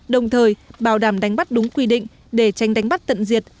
đồng thời bảo đảm đánh bắt đúng quy định để tranh đánh bắt tận diệt